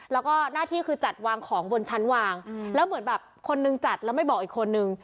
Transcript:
แล้วก็หน้าที่คือจัดวางของบนชั้นวางแล้วเหมือนแบบคนนึงจัดแล้วไม่บอกอีกคนนึง